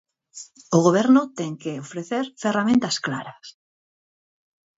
O Goberno ten que ofrecer ferramentas claras.